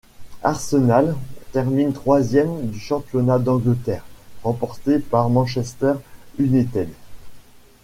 Arsenal termine troisième du championnat d'Angleterre, remporté par Manchester United.